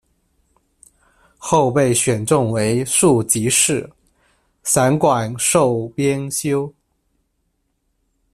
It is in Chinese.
后被选中为庶吉士，散馆授编修。